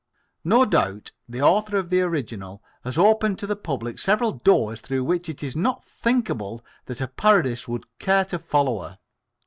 No doubt the author of the original has opened to the public several doors through which it is not thinkable that a parodist would care to follow her.